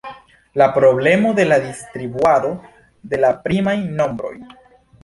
La problemo de la distribuado de la primaj nombroj.